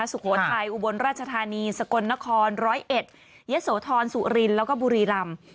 สุโขทัยอุบลราชธานีสกลนคร๑๐๑ยะโสธรสุรินแล้วก็บุรีรำ